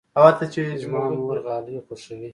زما مور غالۍ خوښوي.